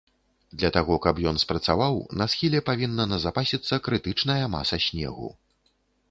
Для таго, каб ён спрацаваў, на схіле павінна назапасіцца крытычная маса снегу.